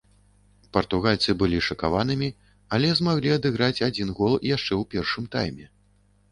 Партугальцы былі шакаванымі, але змаглі адыграць адзін гол яшчэ ў першым тайме.